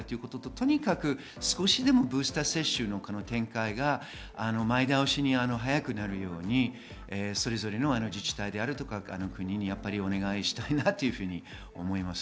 とにかく少しでもブースター接種の展開が前倒しに早くなるようにそれぞれの自治体とか国にお願いしたいなと思います。